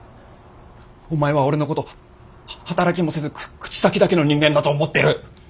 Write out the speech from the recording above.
お前は俺のことは働きもせず口先だけの人間だと思ってる。